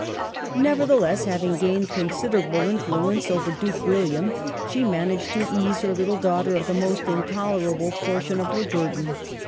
Nevertheless, having gained considerable in fluence over Duke William, she managed to ease her little daughter of the most intolerable por tion of her burden.